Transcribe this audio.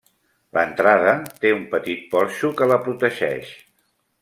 L'entrada té un petit porxo que la protegeix.